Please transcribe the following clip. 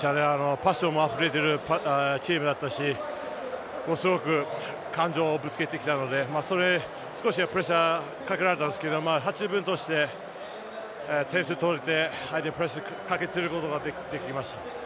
パッションあふれているチームだったしすごく感情をぶつけてきたので少しはプレッシャーかけられたんですけど点数取れて、相手にプレッシャーかけることができました。